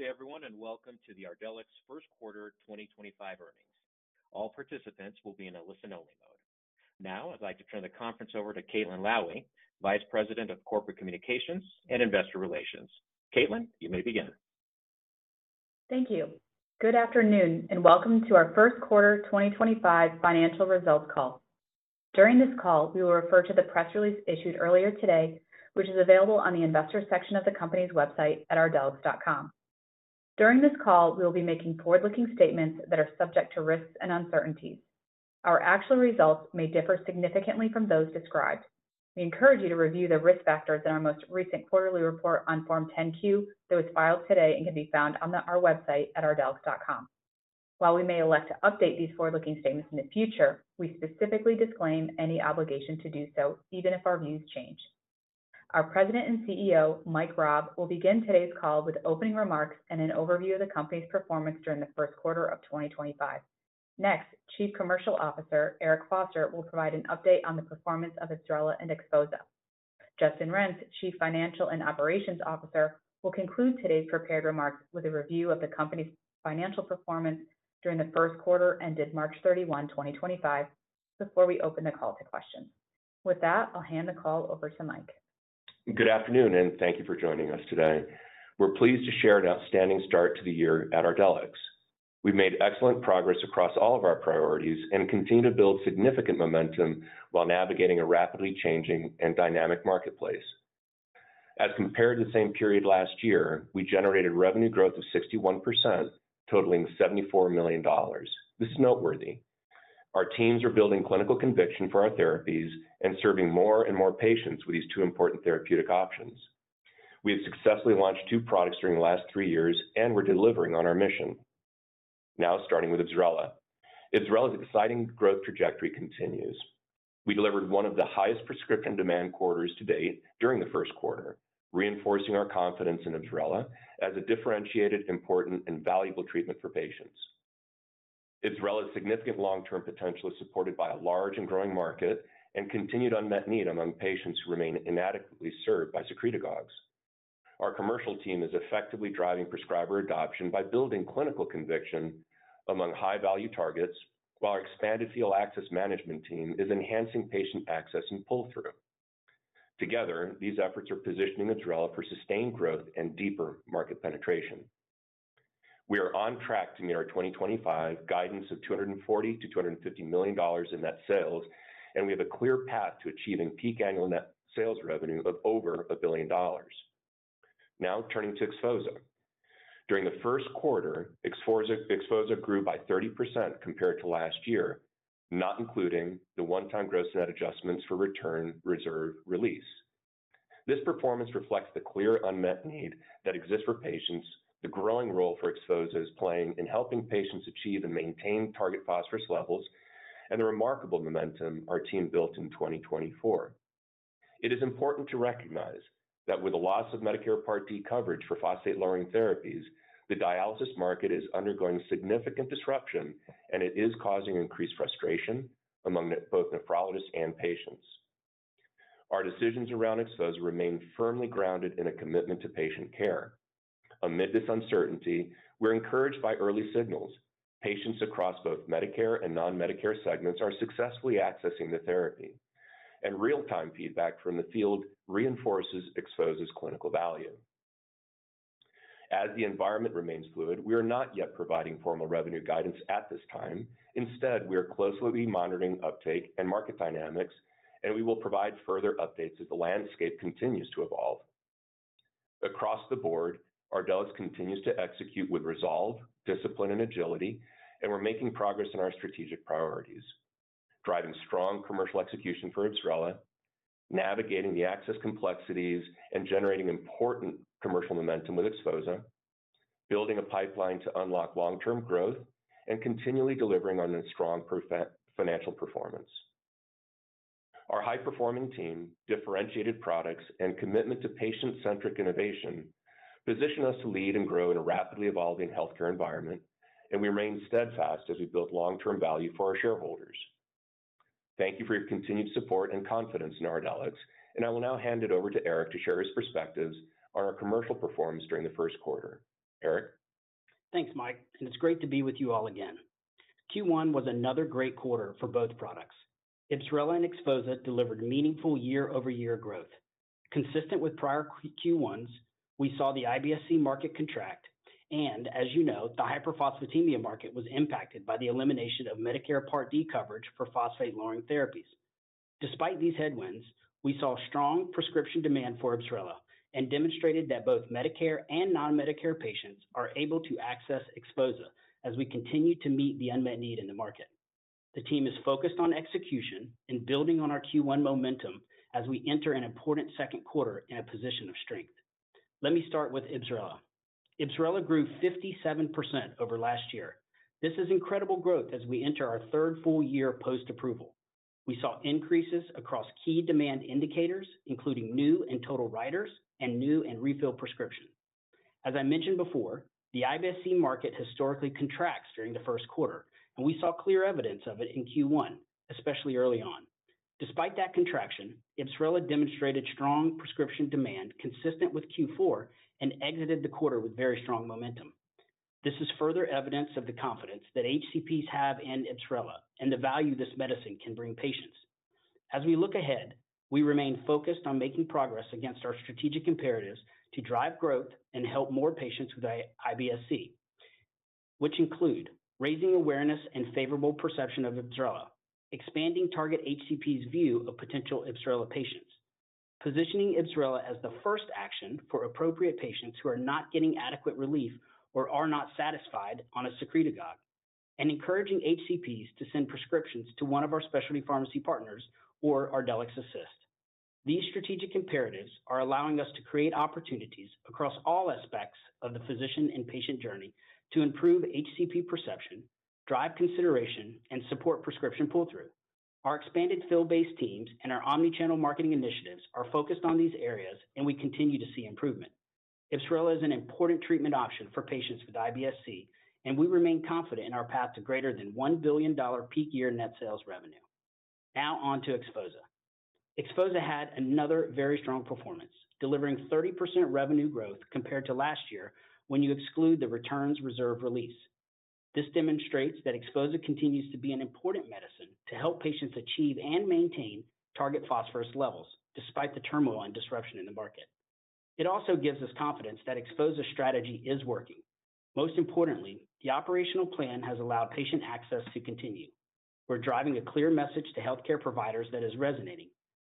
Good day, everyone, and welcome to the Ardelyx First Quarter 2025 earnings. All participants will be in a listen-only mode. Now, I'd like to turn the conference over to Caitlin Lowie, Vice President of Corporate Communications and Investor Relations. Caitlin, you may begin. Thank you. Good afternoon, and welcome to our First Quarter 2025 financial results call. During this call, we will refer to the press release issued earlier today, which is available on the investor section of the company's website at ardelyx.com. During this call, we will be making forward-looking statements that are subject to risks and uncertainties. Our actual results may differ significantly from those described. We encourage you to review the risk factors in our most recent quarterly report on Form 10-Q, though it is filed today and can be found on our website at ardelyx.com. While we may elect to update these forward-looking statements in the future, we specifically disclaim any obligation to do so, even if our views change. Our President and CEO, Mike Raab, will begin today's call with opening remarks and an overview of the company's performance during the first quarter of 2025. Next, Chief Commercial Officer, Eric Foster, will provide an update on the performance of IBSRELA and XPHOZAH. Justin Renz, Chief Financial and Operations Officer, will conclude today's prepared remarks with a review of the company's financial performance during the first quarter ended March 31, 2025, before we open the call to questions. With that, I'll hand the call over to Mike. Good afternoon, and thank you for joining us today. We're pleased to share an outstanding start to the year at Ardelyx. We've made excellent progress across all of our priorities and continue to build significant momentum while navigating a rapidly changing and dynamic marketplace. As compared to the same period last year, we generated revenue growth of 61%, totaling $74 million. This is noteworthy. Our teams are building clinical conviction for our therapies and serving more and more patients with these two important therapeutic options. We have successfully launched two products during the last three years and we're delivering on our mission. Now, starting with IBSRELA. IBSRELA's exciting growth trajectory continues. We delivered one of the highest prescription demand quarters to date during the first quarter, reinforcing our confidence in IBSRELA as a differentiated, important, and valuable treatment for patients. IBSRELA's significant long-term potential is supported by a large and growing market and continued unmet need among patients who remain inadequately served by secretagogues. Our commercial team is effectively driving prescriber adoption by building clinical conviction among high-value targets, while our expanded field access management team is enhancing patient access and pull-through. Together, these efforts are positioning IBSRELA for sustained growth and deeper market penetration. We are on track to meet our 2025 guidance of $240-$250 million in net sales, and we have a clear path to achieving peak annual net sales revenue of over a billion dollars. Now, turning to XPHOZAH. During the first quarter, XPHOZAH grew by 30% compared to last year, not including the one-time gross-to-net adjustments for returns reserve release. This performance reflects the clear unmet need that exists for patients, the growing role XPHOZAH is playing in helping patients achieve and maintain target phosphorus levels, and the remarkable momentum our team built in 2024. It is important to recognize that with the loss of Medicare Part D coverage for phosphate-lowering therapies, the dialysis market is undergoing significant disruption, and it is causing increased frustration among both nephrologists and patients. Our decisions around XPHOZAH remain firmly grounded in a commitment to patient care. Amid this uncertainty, we're encouraged by early signals. Patients across both Medicare and non-Medicare segments are successfully accessing the therapy, and real-time feedback from the field reinforces XPHOZAH's clinical value. As the environment remains fluid, we are not yet providing formal revenue guidance at this time. Instead, we are closely monitoring uptake and market dynamics, and we will provide further updates as the landscape continues to evolve. Across the board, Ardelyx continues to execute with resolve, discipline, and agility, and we're making progress in our strategic priorities: driving strong commercial execution for IBSRELA, navigating the access complexities, and generating important commercial momentum with XPHOZAH, building a pipeline to unlock long-term growth, and continually delivering on a strong financial performance. Our high-performing team, differentiated products, and commitment to patient-centric innovation position us to lead and grow in a rapidly evolving healthcare environment, and we remain steadfast as we build long-term value for our shareholders. Thank you for your continued support and confidence in Ardelyx, and I will now hand it over to Eric to share his perspectives on our commercial performance during the first quarter. Eric? Thanks, Mike, and it's great to be with you all again. Q1 was another great quarter for both products. IBSRELA and XPHOZAH delivered meaningful year-over-year growth. Consistent with prior Q1s, we saw the IBS-C market contract, and as you know, the hyperphosphatemia market was impacted by the elimination of Medicare Part D coverage for phosphate-lowering therapies. Despite these headwinds, we saw strong prescription demand for IBSRELA and demonstrated that both Medicare and non-Medicare patients are able to access XPHOZAH as we continue to meet the unmet need in the market. The team is focused on execution and building on our Q1 momentum as we enter an important second quarter in a position of strength. Let me start with IBSRELA. IBSRELA grew 57% over last year. This is incredible growth as we enter our third full year post-approval. We saw increases across key demand indicators, including new and total writers and new and refill prescriptions. As I mentioned before, the IBS-C market historically contracts during the first quarter, and we saw clear evidence of it in Q1, especially early on. Despite that contraction, IBSRELA demonstrated strong prescription demand consistent with Q4 and exited the quarter with very strong momentum. This is further evidence of the confidence that HCPs have in IBSRELA and the value this medicine can bring patients. As we look ahead, we remain focused on making progress against our strategic imperatives to drive growth and help more patients with IBS-C, which include raising awareness and favorable perception of IBSRELA, expanding target HCPs' view of potential IBSRELA patients, positioning IBSRELA as the first action for appropriate patients who are not getting adequate relief or are not satisfied on a secretagogue, and encouraging HCPs to send prescriptions to one of our specialty pharmacy partners or ArdelyxAssist. These strategic imperatives are allowing us to create opportunities across all aspects of the physician and patient journey to improve HCP perception, drive consideration, and support prescription pull-through. Our expanded field-based teams and our omnichannel marketing initiatives are focused on these areas, and we continue to see improvement. IBSRELA is an important treatment option for patients with IBS-C, and we remain confident in our path to greater than $1 billion peak year net sales revenue. Now, on to XPHOZAH. XPHOZAH had another very strong performance, delivering 30% revenue growth compared to last year when you exclude the returns reserve release. This demonstrates that XPHOZAH continues to be an important medicine to help patients achieve and maintain target phosphorus levels despite the turmoil and disruption in the market. It also gives us confidence that XPHOZAH's strategy is working. Most importantly, the operational plan has allowed patient access to continue. We're driving a clear message to healthcare providers that is resonating.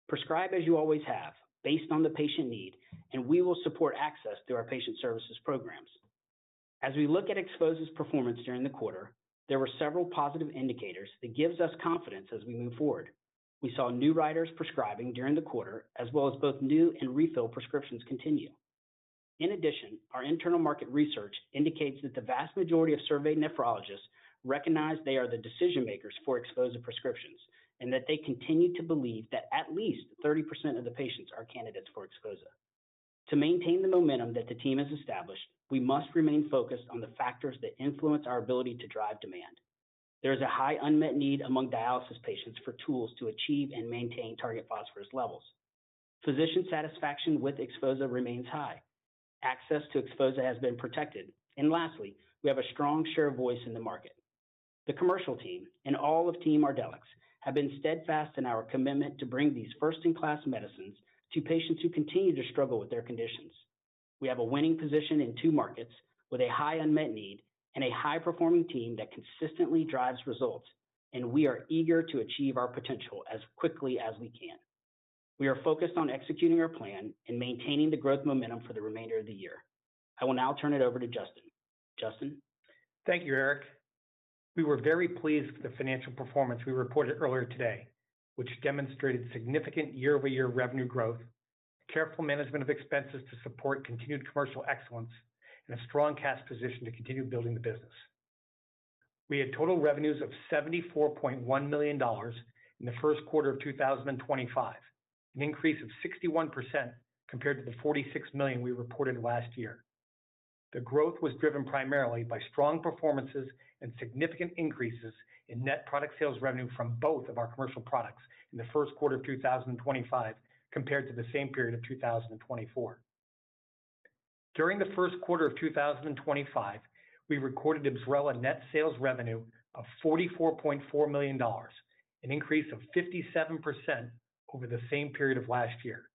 Prescribe as you always have, based on the patient need, and we will support access through our patient services programs. As we look at XPHOZAH's performance during the quarter, there were several positive indicators that give us confidence as we move forward. We saw new writers prescribing during the quarter, as well as both new and refill prescriptions continue. In addition, our internal market research indicates that the vast majority of surveyed nephrologists recognize they are the decision-makers for XPHOZAH prescriptions and that they continue to believe that at least 30% of the patients are candidates for XPHOZAH. To maintain the momentum that the team has established, we must remain focused on the factors that influence our ability to drive demand. There is a high unmet need among dialysis patients for tools to achieve and maintain target phosphorus levels. Physician satisfaction with XPHOZAH remains high. Access to XPHOZAH has been protected. Lastly, we have a strong share of voice in the market. The commercial team and all of Team Ardelyx have been steadfast in our commitment to bring these first-in-class medicines to patients who continue to struggle with their conditions. We have a winning position in two markets with a high unmet need and a high-performing team that consistently drives results, and we are eager to achieve our potential as quickly as we can. We are focused on executing our plan and maintaining the growth momentum for the remainder of the year. I will now turn it over to Justin. Justin? Thank you, Eric. We were very pleased with the financial performance we reported earlier today, which demonstrated significant year-over-year revenue growth, careful management of expenses to support continued commercial excellence, and a strong cash position to continue building the business. We had total revenues of $74.1 million in the first quarter of 2025, an increase of 61% compared to the $46 million we reported last year. The growth was driven primarily by strong performances and significant increases in net product sales revenue from both of our commercial products in the first quarter of 2025 compared to the same period of 2024. During the first quarter of 2025, we recorded IBSRELA net sales revenue of $44.4 million, an increase of 57% over the same period of last year.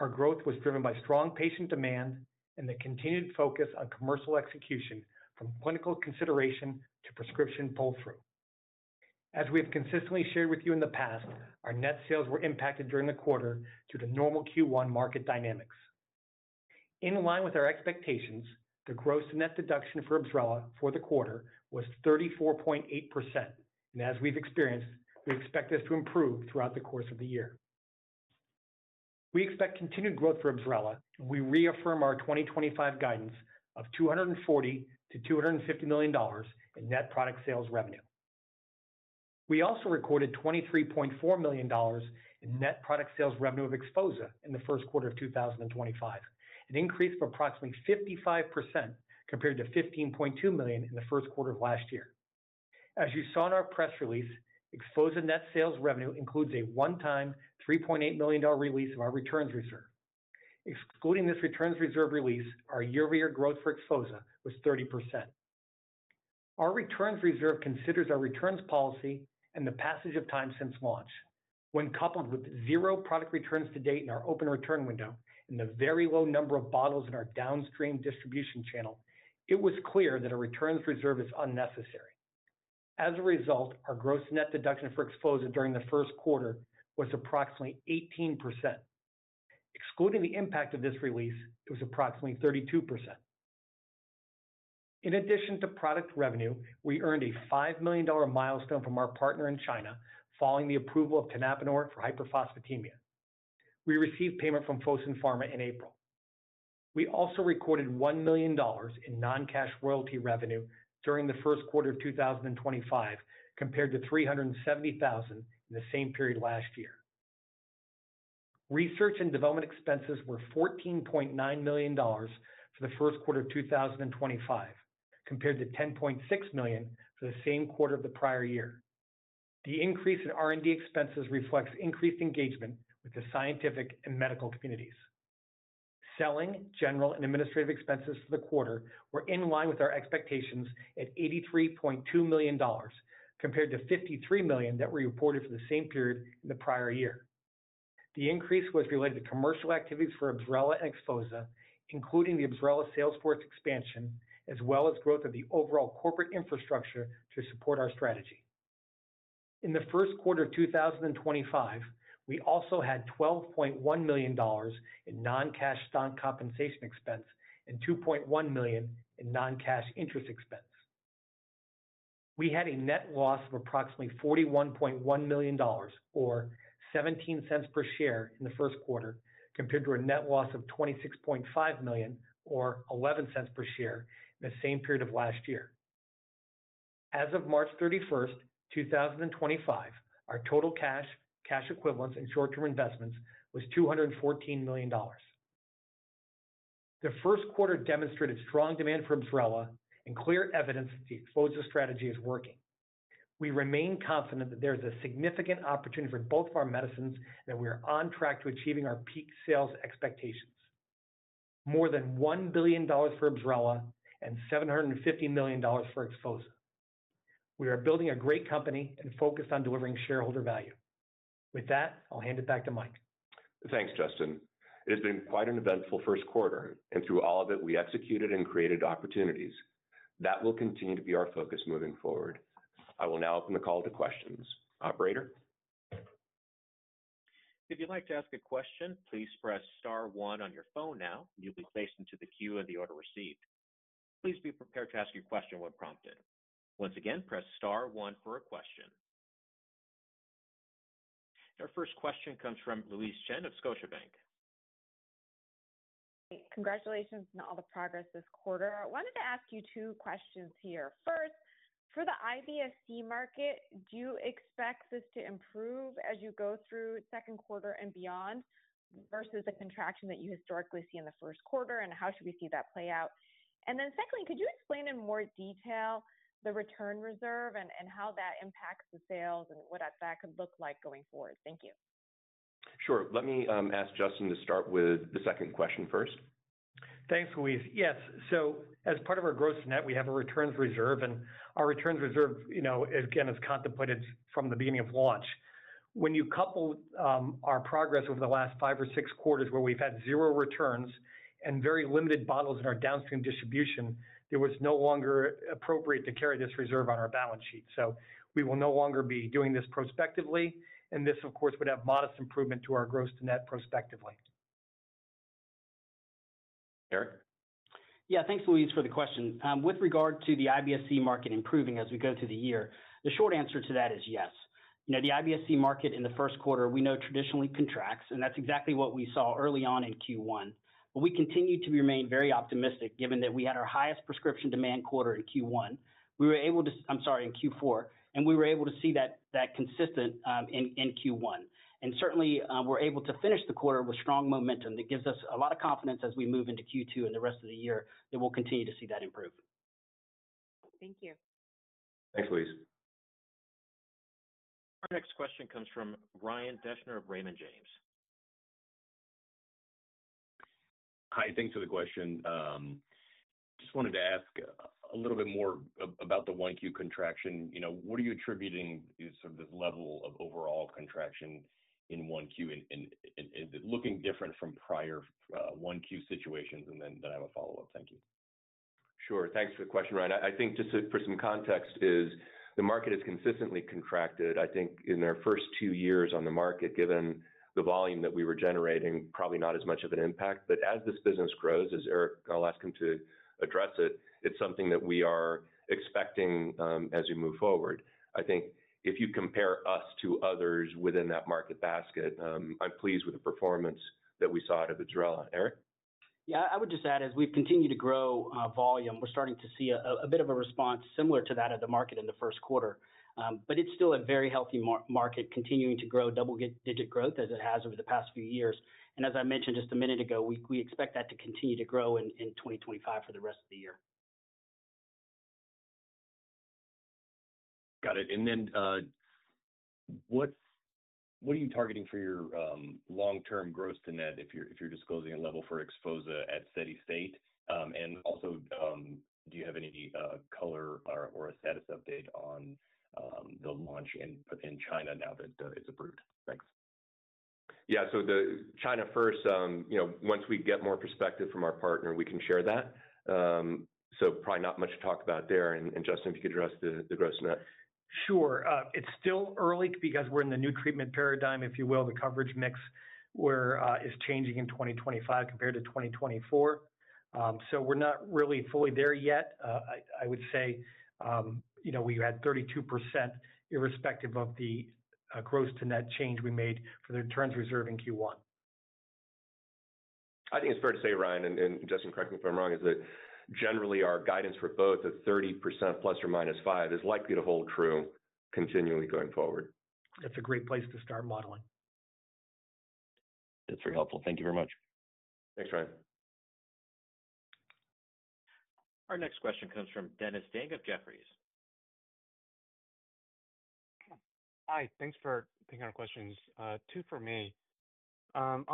Our growth was driven by strong patient demand and the continued focus on commercial execution from clinical consideration to prescription pull-through. As we have consistently shared with you in the past, our net sales were impacted during the quarter due to normal Q1 market dynamics. In line with our expectations, the gross-to-net deduction for IBSRELA for the quarter was 34.8%, and as we've experienced, we expect this to improve throughout the course of the year. We expect continued growth for IBSRELA, and we reaffirm our 2025 guidance of $240-$250 million in net product sales revenue. We also recorded $23.4 million in net product sales revenue of XPHOZAH in the first quarter of 2025, an increase of approximately 55% compared to $15.2 million in the first quarter of last year. As you saw in our press release, XPHOZAH net sales revenue includes a one-time $3.8 million release of our returns reserve. Excluding this returns reserve release, our year-over-year growth for XPHOZAH was 30%. Our returns reserve considers our returns policy and the passage of time since launch. When coupled with zero product returns to date in our open return window and the very low number of bottles in our downstream distribution channel, it was clear that a returns reserve is unnecessary. As a result, our gross-to-net deduction for XPHOZAH during the first quarter was approximately 18%. Excluding the impact of this release, it was approximately 32%. In addition to product revenue, we earned a $5 million milestone from our partner in China following the approval of Tenapanor for hyperphosphatemia. We received payment from Fosun Pharma in April. We also recorded $1 million in non-cash royalty revenue during the first quarter of 2025 compared to $370,000 in the same period last year. Research and development expenses were $14.9 million for the first quarter of 2025 compared to $10.6 million for the same quarter of the prior year. The increase in R&D expenses reflects increased engagement with the scientific and medical communities. Selling, general, and administrative expenses for the quarter were in line with our expectations at $83.2 million compared to $53 million that were reported for the same period in the prior year. The increase was related to commercial activities for IBSRELA and XPHOZAH, including the salesforce expansion, as well as growth of the overall corporate infrastructure to support our strategy. In the first quarter of 2025, we also had $12.1 million in non-cash stock compensation expense and $2.1 million in non-cash interest expense. We had a net loss of approximately $41.1 million, or $0.17 per share in the first quarter, compared to a net loss of $26.5 million, or $0.11 per share in the same period of last year. As of March 31, 2025, our total cash, cash equivalents, and short-term investments was $214 million. The first quarter demonstrated strong demand for IBSRELA and clear evidence that the XPHOZAH strategy is working. We remain confident that there is a significant opportunity for both of our medicines and that we are on track to achieving our peak sales expectations: more than $1 billion for IBSRELA and $750 million for XPHOZAH. We are building a great company and focused on delivering shareholder value. With that, I'll hand it back to Mike. Thanks, Justin. It has been quite an eventful first quarter, and through all of it, we executed and created opportunities. That will continue to be our focus moving forward. I will now open the call to questions. Operator? If you'd like to ask a question, please press star one on your phone now, and you'll be placed into the queue in the order received. Please be prepared to ask your question when prompted. Once again, press star one for a question. Our first question comes from Louise Chen of Scotiabank. Congratulations on all the progress this quarter. I wanted to ask you two questions here. First, for the IBS-C market, do you expect this to improve as you go through second quarter and beyond versus the contraction that you historically see in the first quarter, and how should we see that play out? Secondly, could you explain in more detail the returns reserve and how that impacts the sales and what that could look like going forward? Thank you. Sure. Let me ask Justin to start with the second question first. Thanks, Louise. Yes. As part of our gross to net, we have a returns reserve, and our returns reserve, again, is contemplated from the beginning of launch. When you couple our progress over the last five or six quarters, where we've had zero returns and very limited bottles in our downstream distribution, it was no longer appropriate to carry this reserve on our balance sheet. We will no longer be doing this prospectively, and this, of course, would have modest improvement to our gross to net prospectively. Eric? Yeah, thanks, Louise, for the question. With regard to the IBS-C market improving as we go through the year, the short answer to that is yes. The IBS-C market in the first quarter, we know traditionally contracts, and that is exactly what we saw early on in Q1. We continue to remain very optimistic given that we had our highest prescription demand quarter in Q4. We were able to see that consistent in Q1. We are able to finish the quarter with strong momentum that gives us a lot of confidence as we move into Q2 and the rest of the year that we will continue to see that improve. Thank you. Thanks, Louise. Our next question comes from Ryan Deschner of Raymond James. Hi, thanks for the question. Just wanted to ask a little bit more about the 1Q contraction. What are you attributing to sort of this level of overall contraction in 1Q? Is it looking different from prior 1Q situations? I have a follow-up. Thank you. Sure. Thanks for the question, Ryan. I think just for some context is the market has consistently contracted. I think in our first two years on the market, given the volume that we were generating, probably not as much of an impact. As this business grows, as Eric, I'll ask him to address it, it's something that we are expecting as we move forward. I think if you compare us to others within that market basket, I'm pleased with the performance that we saw out of IBSRELA. Eric? Yeah, I would just add as we've continued to grow volume, we're starting to see a bit of a response similar to that of the market in the first quarter. It is still a very healthy market, continuing to grow double-digit growth as it has over the past few years. As I mentioned just a minute ago, we expect that to continue to grow in 2025 for the rest of the year. Got it. What are you targeting for your long-term gross-to-net if you're disclosing a level for XPHOZAH at steady state? Also, do you have any color or a status update on the launch in China now that it's approved? Thanks. Yeah. China first, once we get more perspective from our partner, we can share that. Probably not much to talk about there. Justin, if you could address the gross-to-net. Sure. It's still early because we're in the new treatment paradigm, if you will, the coverage mix is changing in 2025 compared to 2024. We're not really fully there yet, I would say. We had 32% irrespective of the gross-to-net change we made for the returns reserve in Q1. I think it's fair to say, Ryan, and Justin, correct me if I'm wrong, is that generally our guidance for both of 30% plus or minus 5% is likely to hold true continually going forward. That's a great place to start modeling. That's very helpful. Thank you very much. Thanks, Ryan. Our next question comes from Dennis Ding of Jefferies. Hi. Thanks for taking our questions. Two for me. On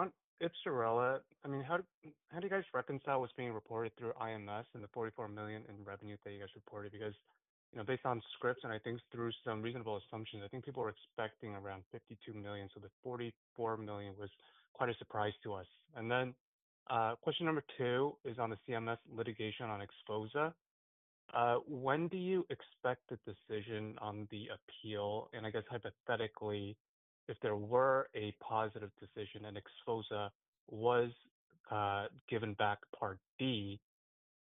IBSRELA, I mean, how do you guys reconcile what's being reported through IMS and the $44 million in revenue that you guys reported? Because based on scripts and I think through some reasonable assumptions, I think people were expecting around $52 million. The $44 million was quite a surprise to us. Question number two is on the CMS litigation on XPHOZAH. When do you expect the decision on the appeal? I guess hypothetically, if there were a positive decision and XPHOZAH was given back Part D,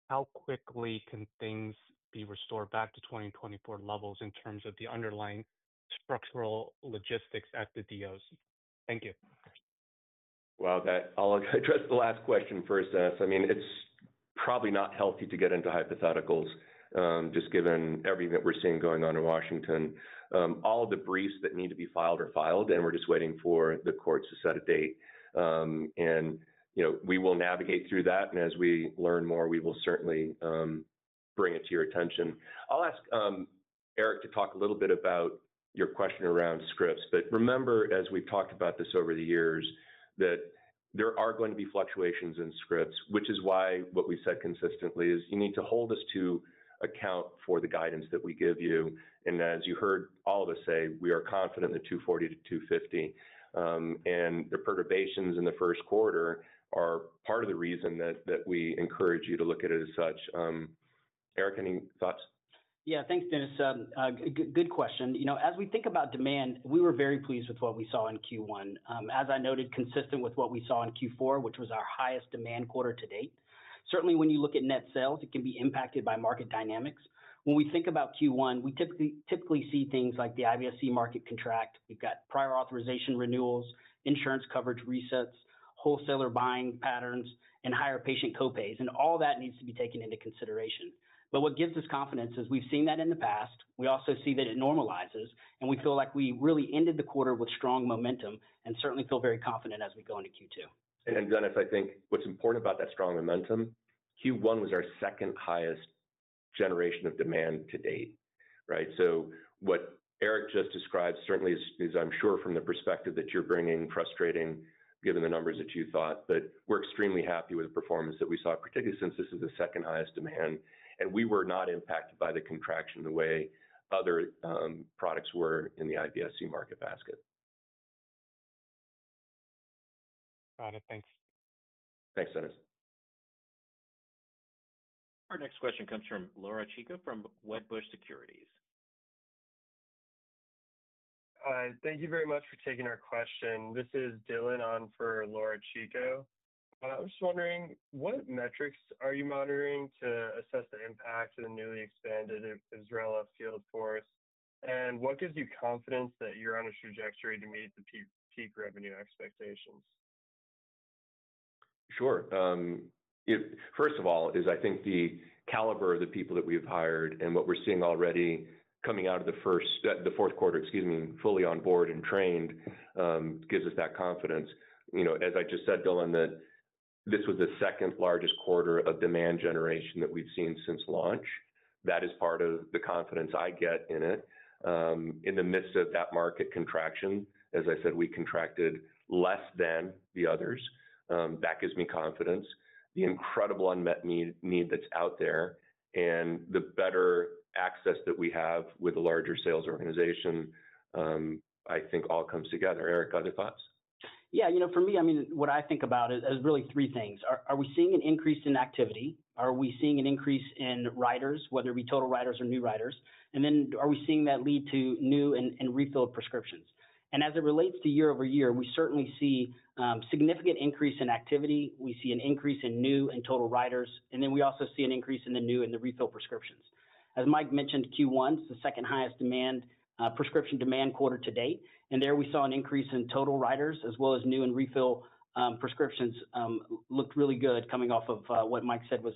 how quickly can things be restored back to 2024 levels in terms of the underlying structural logistics at the DOs? Thank you. I will address the last question first. I mean, it's probably not healthy to get into hypotheticals just given everything that we're seeing going on in Washington. All the briefs that need to be filed are filed, and we're just waiting for the courts to set a date. We will navigate through that. As we learn more, we will certainly bring it to your attention. I'll ask Eric to talk a little bit about your question around scripts. Remember, as we've talked about this over the years, there are going to be fluctuations in scripts, which is why what we've said consistently is you need to hold us to account for the guidance that we give you. As you heard all of us say, we are confident in the 240-250. The perturbations in the first quarter are part of the reason that we encourage you to look at it as such. Eric, any thoughts? Yeah. Thanks, Dennis. Good question. As we think about demand, we were very pleased with what we saw in Q1, as I noted, consistent with what we saw in Q4, which was our highest demand quarter to date. Certainly, when you look at net sales, it can be impacted by market dynamics. When we think about Q1, we typically see things like the IBS-C market contract. We have prior authorization renewals, insurance coverage resets, wholesaler buying patterns, and higher patient copays. All that needs to be taken into consideration. What gives us confidence is we have seen that in the past. We also see that it normalizes, and we feel like we really ended the quarter with strong momentum and certainly feel very confident as we go into Q2. Dennis, I think what's important about that strong momentum, Q1 was our second highest generation of demand to date, right? What Eric just described, certainly, as I'm sure from the perspective that you're bringing, frustrating given the numbers that you thought. We are extremely happy with the performance that we saw, particularly since this is the second highest demand. We were not impacted by the contraction the way other products were in the IBS-C market basket. Got it. Thanks. Thanks, Dennis. Our next question comes from Laura Chico from Wedbush Securities. Thank you very much for taking our question. This is Dylan on for Laura Chico. I'm just wondering, what metrics are you monitoring to assess the impact of the newly expanded IBSRELA field force? What gives you confidence that you're on a trajectory to meet the peak revenue expectations? Sure. First of all, I think the caliber of the people that we've hired and what we're seeing already coming out of the fourth quarter, excuse me, fully on board and trained, gives us that confidence. As I just said, Dylan, that this was the second largest quarter of demand generation that we've seen since launch. That is part of the confidence I get in it. In the midst of that market contraction, as I said, we contracted less than the others. That gives me confidence. The incredible unmet need that's out there and the better access that we have with a larger sales organization, I think all comes together. Eric, other thoughts? Yeah. For me, I mean, what I think about is really three things. Are we seeing an increase in activity? Are we seeing an increase in writers, whether it be total writers or new writers? Are we seeing that lead to new and refilled prescriptions? As it relates to year over year, we certainly see a significant increase in activity. We see an increase in new and total writers. We also see an increase in the new and the refilled prescriptions. As Mike mentioned, Q1 is the second highest prescription demand quarter to date. There we saw an increase in total writers as well as new and refilled prescriptions looked really good coming off of what Mike said was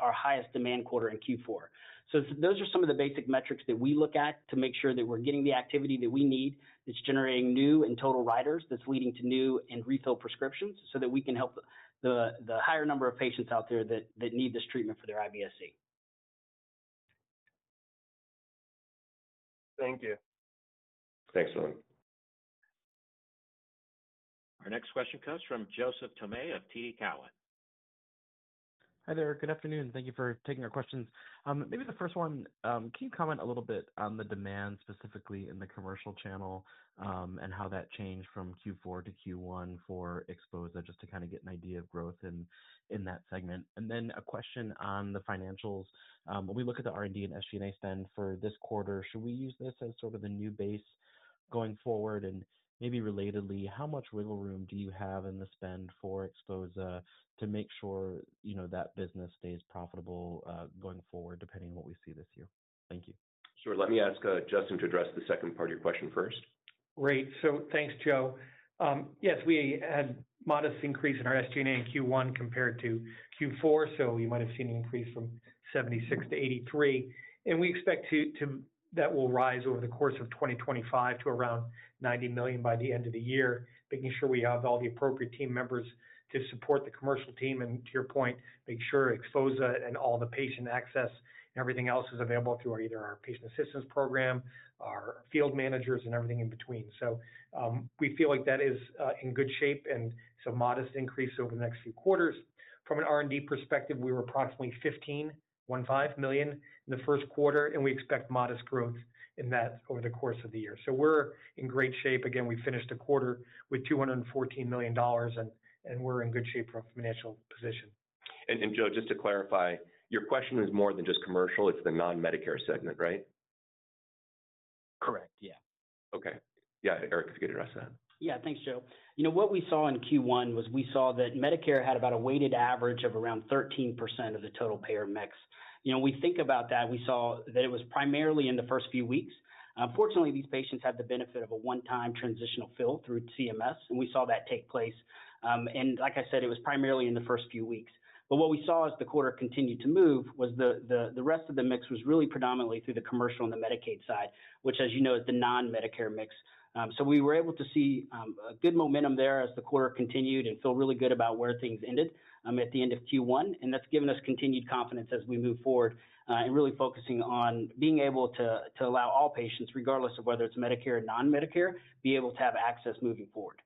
our highest demand quarter in Q4. Those are some of the basic metrics that we look at to make sure that we're getting the activity that we need that's generating new and total riders that's leading to new and refilled prescriptions so that we can help the higher number of patients out there that need this treatment for their IBS-C. Thank you. Thanks, Dylan. Our next question comes from Joseph Tomei of TD Cowen. Hi there. Good afternoon. Thank you for taking our questions. Maybe the first one, can you comment a little bit on the demand specifically in the commercial channel and how that changed from Q4 to Q1 for XPHOZAH just to kind of get an idea of growth in that segment? A question on the financials. When we look at the R&D and SG&A spend for this quarter, should we use this as sort of the new base going forward? Maybe relatedly, how much wiggle room do you have in the spend for XPHOZAH to make sure that business stays profitable going forward depending on what we see this year? Thank you. Sure. Let me ask Justin to address the second part of your question first. Great. Thanks, Joe. Yes, we had a modest increase in our SG&A in Q1 compared to Q4. You might have seen an increase from $76 million-$83 million. We expect that will rise over the course of 2025 to around $90 million by the end of the year, making sure we have all the appropriate team members to support the commercial team. To your point, make sure XPHOZAH and all the patient access and everything else is available through either our patient assistance program, our field managers, and everything in between. We feel like that is in good shape and some modest increase over the next few quarters. From an R&D perspective, we were approximately $15 million, $15 million in the first quarter, and we expect modest growth in that over the course of the year. We're in great shape. Again, we finished a quarter with $214 million, and we're in good shape from a financial position. Joe, just to clarify, your question is more than just commercial. It's the non-Medicare segment, right? Correct. Yeah. Okay. Yeah. Eric, if you could address that. Yeah. Thanks, Joe. What we saw in Q1 was we saw that Medicare had about a weighted average of around 13% of the total payer mix. We think about that. We saw that it was primarily in the first few weeks. Unfortunately, these patients had the benefit of a one-time transitional fill through CMS, and we saw that take place. Like I said, it was primarily in the first few weeks. What we saw as the quarter continued to move was the rest of the mix was really predominantly through the commercial and the Medicaid side, which, as you know, is the non-Medicare mix. We were able to see a good momentum there as the quarter continued and feel really good about where things ended at the end of Q1. That has given us continued confidence as we move forward and really focusing on being able to allow all patients, regardless of whether it is Medicare or non-Medicare, to be able to have access moving forward.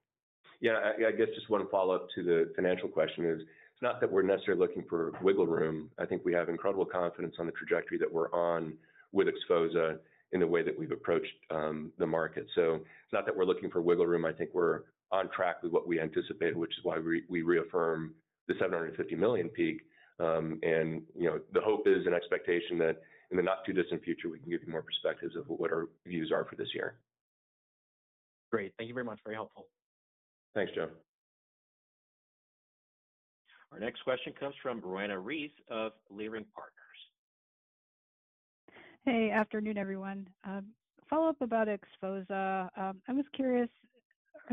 Yeah. I guess just one follow-up to the financial question is it's not that we're necessarily looking for wiggle room. I think we have incredible confidence on the trajectory that we're on with XPHOZAH in the way that we've approached the market. It's not that we're looking for wiggle room. I think we're on track with what we anticipate, which is why we reaffirm the $750 million peak. The hope is an expectation that in the not too distant future, we can give you more perspectives of what our views are for this year. Great. Thank you very much. Very helpful. Thanks, Joe. Our next question comes from Roanna Reese of Leerink Partners. Hey, afternoon, everyone. Follow-up about XPHOZAH. I was curious,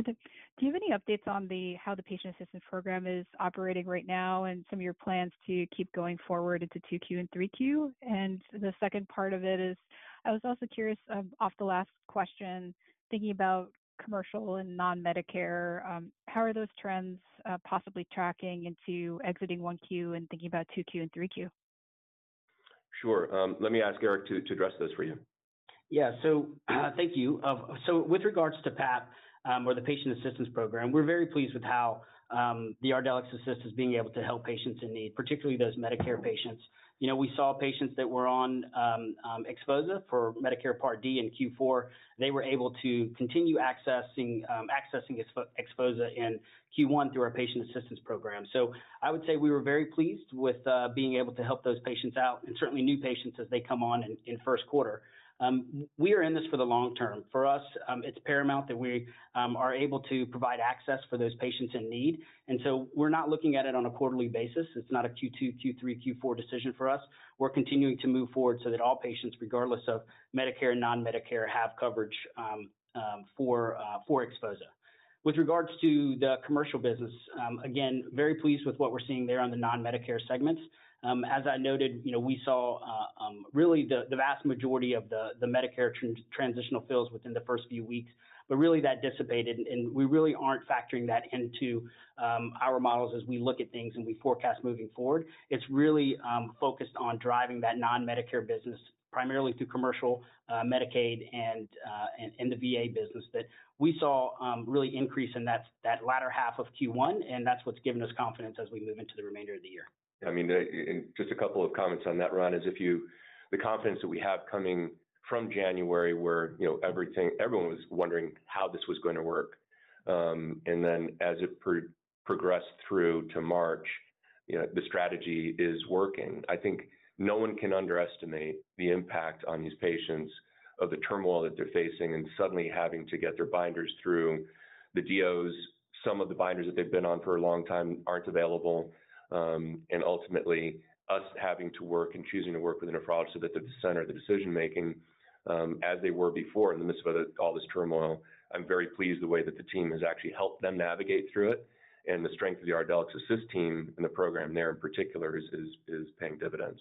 do you have any updates on how the patient assistance program is operating right now and some of your plans to keep going forward into 2Q and 3Q? The second part of it is I was also curious, off the last question, thinking about commercial and non-Medicare, how are those trends possibly tracking into exiting 1Q and thinking about 2Q and 3Q? Sure. Let me ask Eric to address those for you. Yeah. Thank you. With regards to PAP or the patient assistance program, we're very pleased with how the ArdelyxAssist is being able to help patients in need, particularly those Medicare patients. We saw patients that were on XPHOZAH for Medicare Part D in Q4. They were able to continue accessing XPHOZAH in Q1 through our patient assistance program. I would say we were very pleased with being able to help those patients out and certainly new patients as they come on in first quarter. We are in this for the long term. For us, it's paramount that we are able to provide access for those patients in need. We're not looking at it on a quarterly basis. It's not a Q2, Q3, Q4 decision for us. We're continuing to move forward so that all patients, regardless of Medicare and non-Medicare, have coverage for XPHOZAH. With regards to the commercial business, again, very pleased with what we're seeing there on the non-Medicare segments. As I noted, we saw really the vast majority of the Medicare transitional fills within the first few weeks, but really that dissipated. We really aren't factoring that into our models as we look at things and we forecast moving forward. It's really focused on driving that non-Medicare business primarily through commercial, Medicaid, and the VA business that we saw really increase in that latter half of Q1. That's what's given us confidence as we move into the remainder of the year. I mean, just a couple of comments on that, Ron, is the confidence that we have coming from January where everyone was wondering how this was going to work. As it progressed through to March, the strategy is working. I think no one can underestimate the impact on these patients of the turmoil that they're facing and suddenly having to get their binders through. The DOs, some of the binders that they've been on for a long time aren't available. Ultimately, us having to work and choosing to work with the nephrologist so that they're the center of the decision-making as they were before in the midst of all this turmoil. I'm very pleased the way that the team has actually helped them navigate through it. The strength of the ArdelyxAssist team and the program there in particular is paying dividends.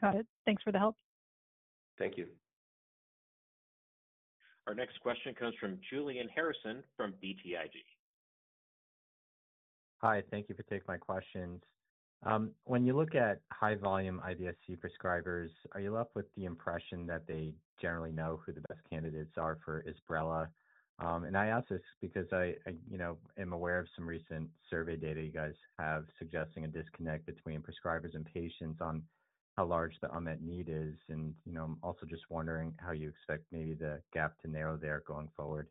Got it. Thanks for the help. Thank you. Our next question comes from Julian Harrison from BTIG. Hi. Thank you for taking my questions. When you look at high-volume IBS-C prescribers, are you left with the impression that they generally know who the best candidates are for IBSRELA? I ask this because I am aware of some recent survey data you guys have suggesting a disconnect between prescribers and patients on how large the unmet need is. I'm also just wondering how you expect maybe the gap to narrow there going forward.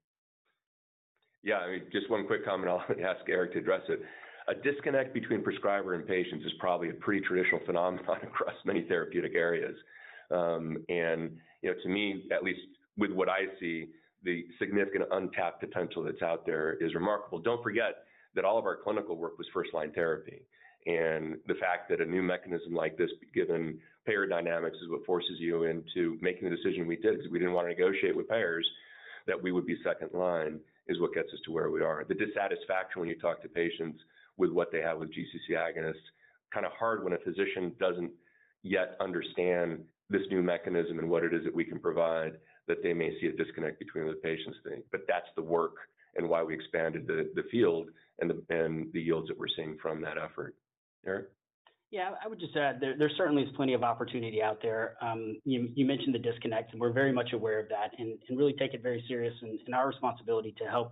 Yeah. I mean, just one quick comment. I'll ask Eric to address it. A disconnect between prescriber and patients is probably a pretty traditional phenomenon across many therapeutic areas. To me, at least with what I see, the significant untapped potential that's out there is remarkable. Don't forget that all of our clinical work was first-line therapy. The fact that a new mechanism like this, given payer dynamics, is what forces you into making the decision we did because we didn't want to negotiate with payers, that we would be second line is what gets us to where we are. The dissatisfaction when you talk to patients with what they have with GCC agonists, kind of hard when a physician doesn't yet understand this new mechanism and what it is that we can provide that they may see a disconnect between the patients' thing. That is the work and why we expanded the field and the yields that we are seeing from that effort. Eric? Yeah. I would just add there certainly is plenty of opportunity out there. You mentioned the disconnects, and we're very much aware of that and really take it very serious and our responsibility to help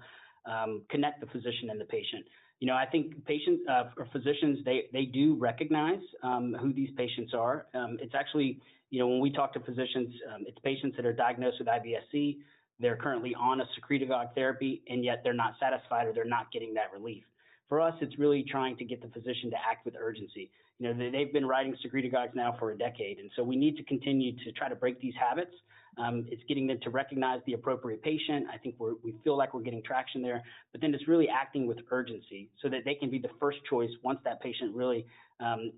connect the physician and the patient. I think patients or physicians, they do recognize who these patients are. It's actually when we talk to physicians, it's patients that are diagnosed with IBS-C. They're currently on a secretagogues therapy, and yet they're not satisfied or they're not getting that relief. For us, it's really trying to get the physician to act with urgency. They've been writing secretagogues now for a decade. We need to continue to try to break these habits. It's getting them to recognize the appropriate patient. I think we feel like we're getting traction there. Then it's really acting with urgency so that they can be the first choice once that patient really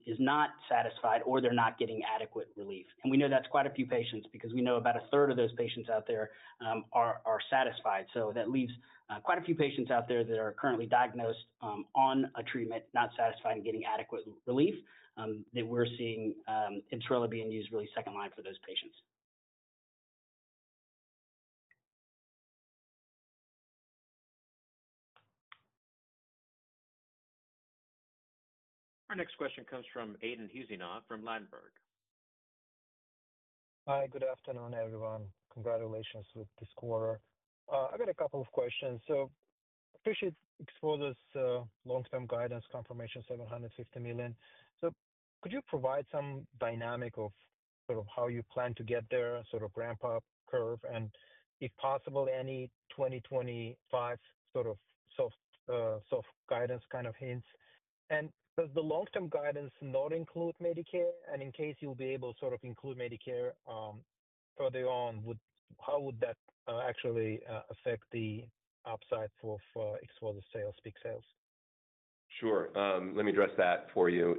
is not satisfied or they're not getting adequate relief. We know that's quite a few patients because we know about a third of those patients out there are satisfied. That leaves quite a few patients out there that are currently diagnosed on a treatment, not satisfied and getting adequate relief that we're seeing IBSRELA being used really second line for those patients. Our next question comes from Aidan Huzena from Ladenburg. Hi. Good afternoon, everyone. Congratulations with this quarter. I've got a couple of questions. I appreciate XPHOZAH's long-term guidance confirmation, $750 million. Could you provide some dynamic of sort of how you plan to get there, sort of ramp-up curve, and if possible, any 2025 sort of soft guidance kind of hints? Does the long-term guidance not include Medicare? In case you'll be able to sort of include Medicare further on, how would that actually affect the upside for XPHOZAH sales, peak sales? Sure. Let me address that for you.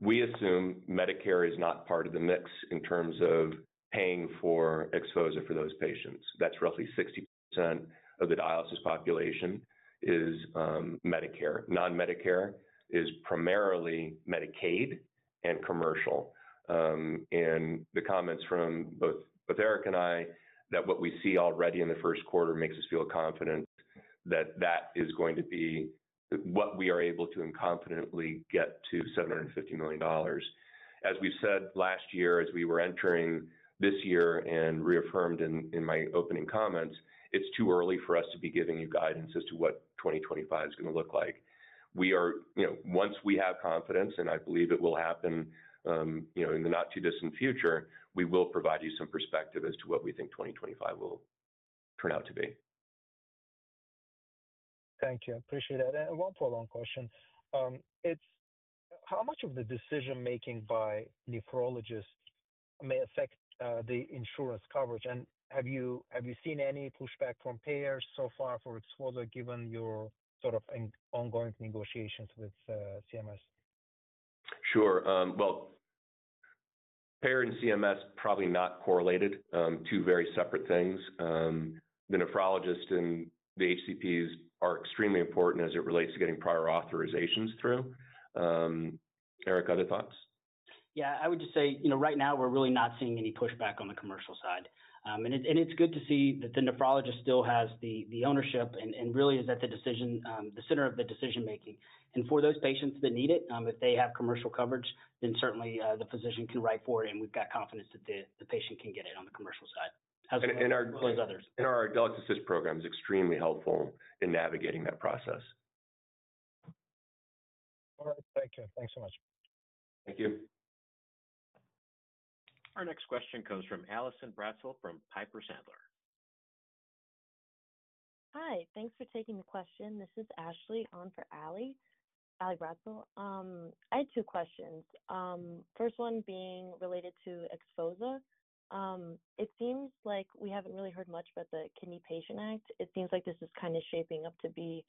We assume Medicare is not part of the mix in terms of paying for XPHOZAH for those patients. That's roughly 60% of the dialysis population is Medicare. Non-Medicare is primarily Medicaid and commercial. The comments from both Eric and I that what we see already in the first quarter makes us feel confident that that is going to be what we are able to and confidently get to $750 million. As we have said last year, as we were entering this year and reaffirmed in my opening comments, it's too early for us to be giving you guidance as to what 2025 is going to look like. Once we have confidence, and I believe it will happen in the not too distant future, we will provide you some perspective as to what we think 2025 will turn out to be. Thank you. Appreciate that. One follow-up question. How much of the decision-making by nephrologists may affect the insurance coverage? Have you seen any pushback from payers so far for XPHOZAH given your sort of ongoing negotiations with CMS? Sure. Payer and CMS probably not correlated, two very separate things. The nephrologist and the HCPs are extremely important as it relates to getting prior authorizations through. Eric, other thoughts? Yeah. I would just say right now, we're really not seeing any pushback on the commercial side. It's good to see that the nephrologist still has the ownership and really is at the center of the decision-making. For those patients that need it, if they have commercial coverage, then certainly the physician can write for it. We've got confidence that the patient can get it on the commercial side as well as others. Our ArdelyxAssist program is extremely helpful in navigating that process. All right. Thank you. Thanks so much. Thank you. Our next question comes from Allison Bratzel from Piper Sandler. Hi. Thanks for taking the question. This is Ashley on for Ali, Ali Bratzel. I had two questions. First one being related to XPHOZAH. It seems like we haven't really heard much about the Kidney PATIENT Act. It seems like this is kind of shaping up to be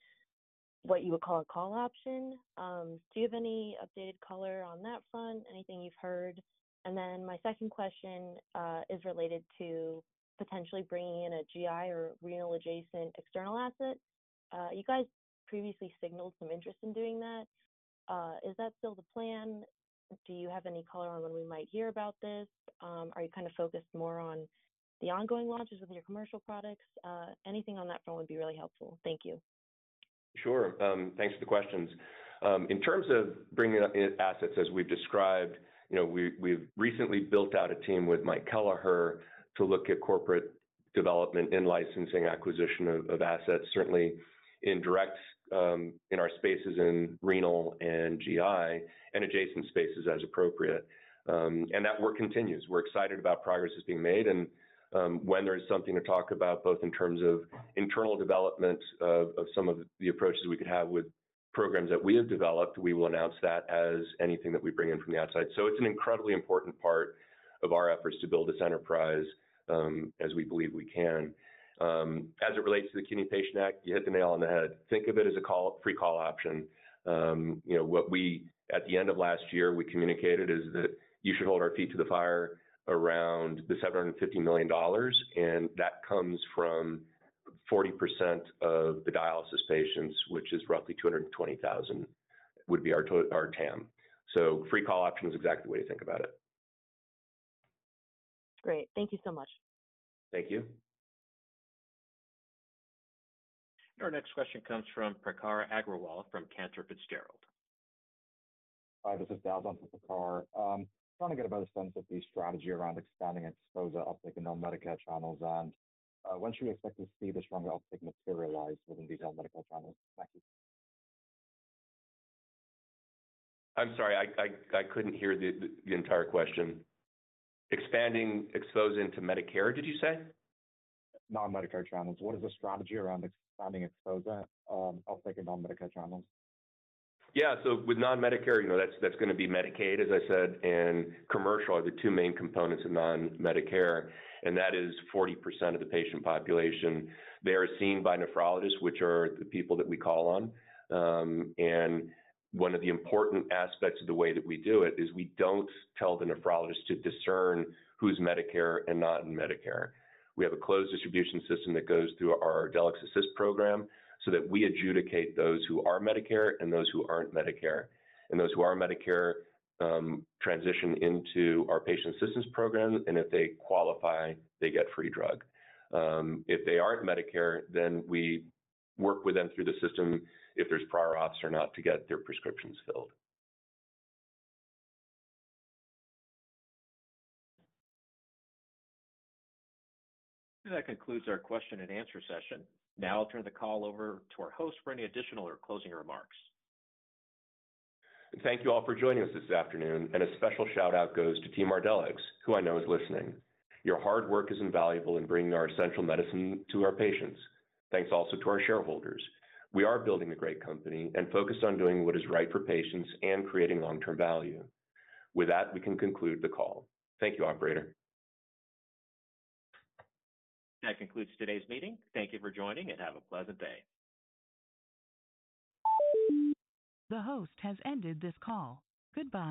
what you would call a call option. Do you have any updated color on that front? Anything you've heard? My second question is related to potentially bringing in a GI or renal-adjacent external asset. You guys previously signaled some interest in doing that. Is that still the plan? Do you have any color on when we might hear about this? Are you kind of focused more on the ongoing launches with your commercial products? Anything on that front would be really helpful. Thank you. Sure. Thanks for the questions. In terms of bringing assets, as we've described, we've recently built out a team with Mike Kelliher to look at corporate development and licensing acquisition of assets, certainly in direct in our spaces in renal and GI and adjacent spaces as appropriate. That work continues. We're excited about progress that's being made. When there's something to talk about, both in terms of internal development of some of the approaches we could have with programs that we have developed, we will announce that as anything that we bring in from the outside. It is an incredibly important part of our efforts to build this enterprise as we believe we can. As it relates to the Kidney PATIENT Act, you hit the nail on the head. Think of it as a free call option. At the end of last year, we communicated is that you should hold our feet to the fire around the $750 million. That comes from 40% of the dialysis patients, which is roughly 220,000, would be our TAM. Free call option is exactly the way to think about it. Great. Thank you so much. Thank you. Our next question comes from Prakhar Agrawal from Cantor Fitzgerald. Hi. This is Dalton for Prakhar. I'm trying to get a better sense of the strategy around expanding XPHOZAH uptake in all Medicare channels. When should we expect to see this stronger uptake materialize within these all-Medicare channels? Thank you. I'm sorry. I couldn't hear the entire question. Expanding XPHOZAH into Medicare, did you say? Non-Medicare channels. What is the strategy around expanding XPHOZAH uptake in all Medicare channels? Yeah. With non-Medicare, that's going to be Medicaid, as I said. Commercial are the two main components of non-Medicare. That is 40% of the patient population. They are seen by nephrologists, which are the people that we call on. One of the important aspects of the way that we do it is we do not tell the nephrologist to discern who is Medicare and who is not in Medicare. We have a closed distribution system that goes through our ArdelyxAssist program so that we adjudicate those who are Medicare and those who are not Medicare. Those who are Medicare transition into our patient assistance program. If they qualify, they get free drug. If they are not Medicare, then we work with them through the system if there is prior office or not to get their prescriptions filled. That concludes our question and answer session. Now I'll turn the call over to our host for any additional or closing remarks. Thank you all for joining us this afternoon. A special shout-out goes to Team Ardelyx, who I know is listening. Your hard work is invaluable in bringing our essential medicine to our patients. Thanks also to our shareholders. We are building a great company and focused on doing what is right for patients and creating long-term value. With that, we can conclude the call. Thank you, operator. That concludes today's meeting. Thank you for joining and have a pleasant day. The host has ended this call. Goodbye.